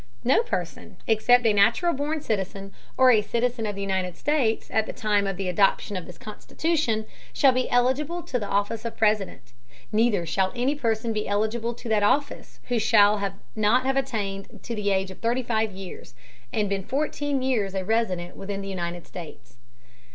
No Person except a natural born Citizen, or a Citizen of the United States, at the time of the Adoption of this Constitution, shall be eligible to the Office of President; neither shall any Person be eligible to that Office who shall not have attained to the Age of thirty five Years, and been fourteen Years a Resident within the United States.